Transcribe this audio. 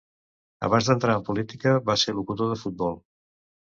Abans d'entrar en política va ser locutor de futbol.